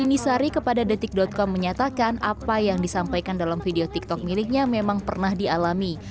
ini sari kepada detik com menyatakan apa yang disampaikan dalam video tiktok miliknya memang pernah dialami